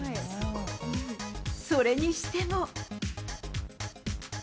それにしても。